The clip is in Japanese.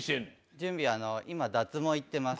準備は今、脱毛行ってます。